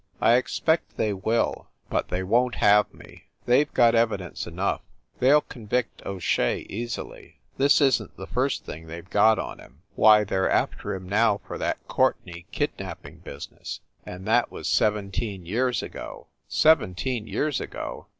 "I expect they will, but they won t have me. They ve got evidence enough. They ll convict O Shea easily. This isn t the first thing they ve got on him. Why, they re after him now for that Courtenay kidnapping business, and that was sev enteen years ago!" Seventeen years ago!